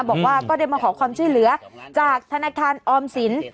บอกว่าก็ได้มาขอความช่วยเหลือจากธนาคารออมสิน